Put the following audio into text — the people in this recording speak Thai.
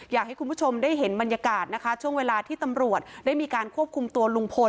อยากให้คุณผู้ชมได้เห็นบรรยากาศนะคะช่วงเวลาที่ตำรวจได้มีการควบคุมตัวลุงพล